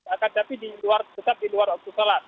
akan tetapi di luar tetap di luar waktu sholat